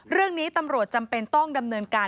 เรื่องนี้ตำรวจจำเป็นต้องดำเนินการ